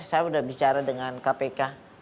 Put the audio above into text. saya sudah bicara dengan kpk